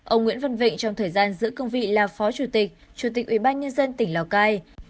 ông nguyễn văn vịnh trong thời gian giữ công vị là phó chủ tịch chủ tịch ủy ban nhân dân tỉnh lào cai